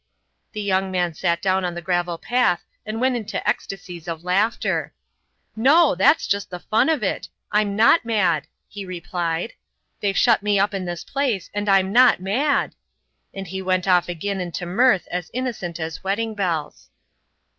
The young man sat down on the gravel path and went into ecstasies of laughter. "No, that's just the fun of it I'm not mad," he replied. "They've shut me up in this place, and I'm not mad." And he went off again into mirth as innocent as wedding bells.